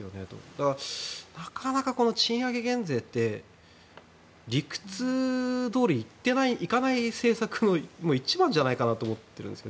だから、なかなか賃上げ減税って理屈どおりいかない政策の一番じゃないかなと思います。